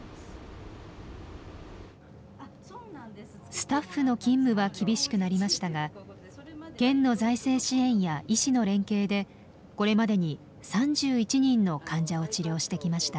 スタッフの勤務は厳しくなりましたが県の財政支援や医師の連携でこれまでに３１人の患者を治療してきました。